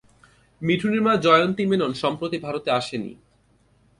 মিঠুনের মা জয়ন্তী মেনন সম্প্রতি ভারতে আসেনি।